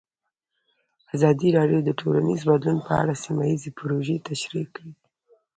ازادي راډیو د ټولنیز بدلون په اړه سیمه ییزې پروژې تشریح کړې.